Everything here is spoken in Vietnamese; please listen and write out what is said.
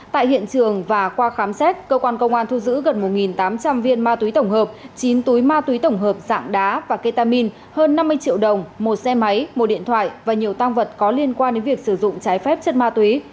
tại hiện trường và qua khám xét cơ quan công an thu giữ gần một tám trăm linh viên ma túy tổng hợp chín túi ma túy tổng hợp dạng đá và ketamine hơn năm mươi triệu đồng một xe máy một điện thoại và nhiều tăng vật có liên quan đến việc sử dụng trái phép chất ma túy